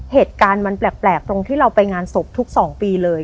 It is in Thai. เหตุการณ์มันแปลกตรงที่เราไปงานศพทุก๒ปีเลย